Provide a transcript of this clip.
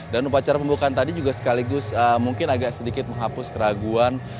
dan upacara pembukaan tadi juga sekaligus mungkin agak sedikit menghapus keraguan